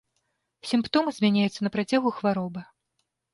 Сімптомы змяняюцца на працягу хваробы.